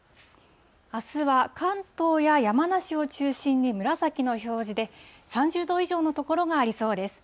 あすは関東や山梨を中心に紫の表示で、３０度以上の所がありそうです。